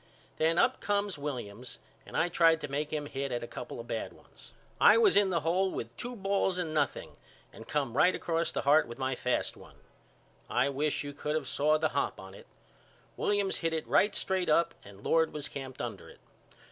Then up come Williams and I tried to make him hit at a couple of bad ones. I was in the hole with two balls and nothing and come right across the heart with my fast one. I wish you could of saw the hop on it. Williams hit it right straight up and Lord was camped under it.